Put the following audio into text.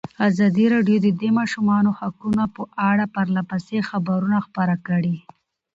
ازادي راډیو د د ماشومانو حقونه په اړه پرله پسې خبرونه خپاره کړي.